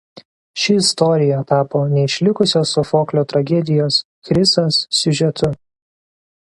Ši istorija tapo neišlikusios Sofoklio tragedijos „Chrisas“ siužetu.